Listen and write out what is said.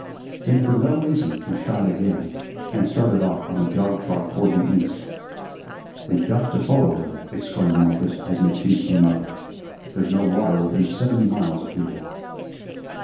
Then, for no reason, he shied again, and started off on a jog trot toward the east. "We've GOT to follow him," exclaimed Marcus as McTeague came up. "There's no water within seventy miles of here."